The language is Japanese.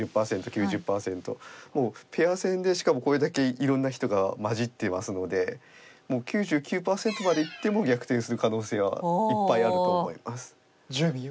もうペア戦でしかもこれだけいろんな人が交じっていますのでもう９９％までいっても逆転する可能性はいっぱいあると思います。